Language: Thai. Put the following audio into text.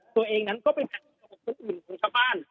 ตัวเองก็ไปแทบเอาอุ่นของปุงชาวบ้าน